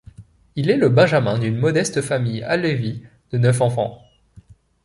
Il est le benjamin d'une modeste famille alévie de neuf enfants.